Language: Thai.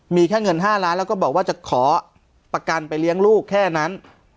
มีแค่เงิน๕ล้านแล้วก็บอกว่าจะขอประกันไปเลี้ยงลูกแค่นั้น